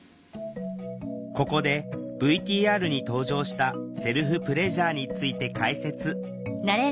ここでＶＴＲに登場したセルフプレジャーについて解説。